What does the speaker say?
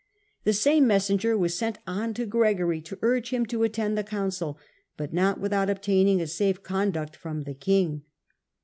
The same messenger was sent on to Gregory to urge him to attend the council, but not without obtaining a safe conduct from the king.